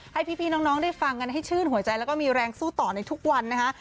ให้พี่น้องได้ฟังกันให้ชื่นหัวใจแล้วก็มีแรงสู้ต่อในทุกวันนะคะ